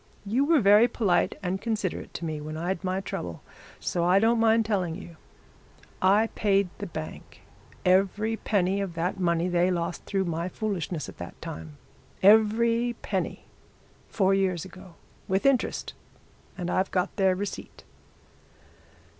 'You were very polite and considerate to me when I'd my trouble, so I don't mind telling you. I paid the bank every penny of that money they lost through my foolishness at that time every penny, four years ago, with interest, and I've got their receipt.'